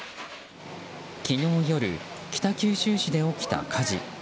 昨日夜、北九州市で起きた火事。